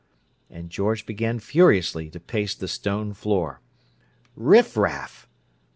And George began furiously to pace the stone floor. "Riffraff!"